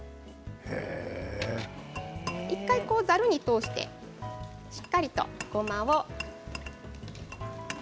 １回、ざるに通してしっかりとごまを。